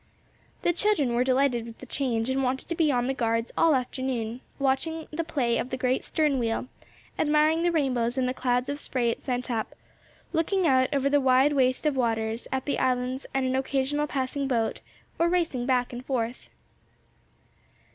The children were delighted with the change and wanted to be on the guards all afternoon, watching the play of the great stern wheel, admiring the rainbows in the clouds of spray it sent up, looking out over the wide waste of waters, at the islands and an occasional passing boat, or racing back and forth.